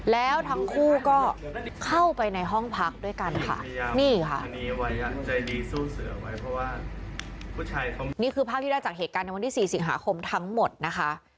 แล้วทั้งคู่ก็เข้าไปในห้องพักด้วยกันค่ะนี่ค่ะนี่คือภาพที่ได้จากเหตุการณ์ในวันที่๔สิงหาคมทั้งหมดนะคะ